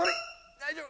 大丈夫。